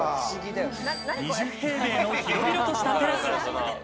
２０平米の広々としたテラス。